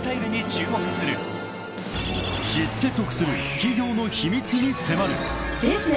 ［知って得する企業の秘密に迫る］